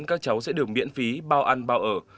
các cháu sẽ được miễn phí bao ăn bao ở